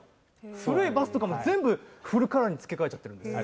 古いバスとかも全部フルカラーに付け替えちゃってるんです。